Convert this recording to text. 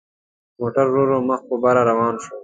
موټر ورو ورو مخ په بره روان شو.